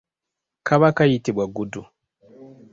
Kaba kayitibwa gudu.